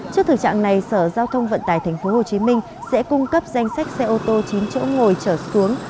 trước thực trạng này sở giao thông vận tải tp hcm sẽ cung cấp danh sách xe ô tô chín chỗ ngồi trở xuống